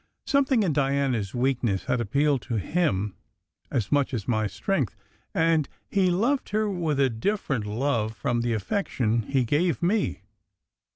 Some thing in Diana s weakness had appealed to him as much as my strength; and he loved her with a different love from the affection he gave me.